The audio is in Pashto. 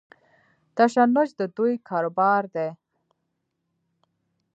تشنج د دوی کاروبار دی.